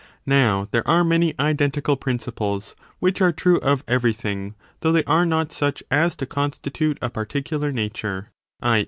Now there are many identical principles which are true of everything, 2 though they are not such as to constitute a particular nature, i.